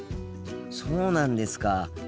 そうなんですか。